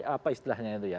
apa istilahnya itu ya